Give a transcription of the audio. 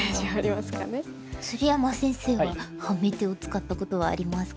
鶴山先生はハメ手を使ったことはありますか？